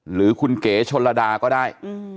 หรือคุณเก๋ชนระดาก็ได้